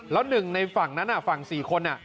แล้วหนึ่งในฝั่งนั้นฝั่ง๔คน